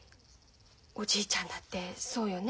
おじいちゃんだってそうよね。